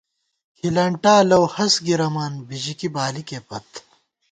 کھِلنٹا لَؤ ہَست گِرَمان، بِژِکی بالِکے پت